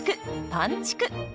「パンちく」。